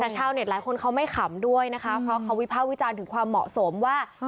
แต่ชาวเน็ตหลายคนเขาไม่ขำด้วยนะคะเพราะเขาวิภาควิจารณ์ถึงความเหมาะสมว่า